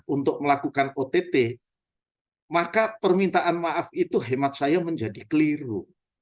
untuk melakukan ott maka permintaan maaf itu hemat saya menjadi keliru